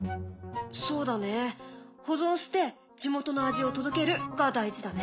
そうだね保存して地元の味を届けるが大事だね。